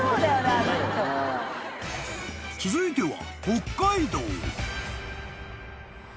［続いては］